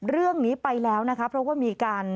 เรื่องนี้ไปแล้วนะคะเพราะว่ามีการ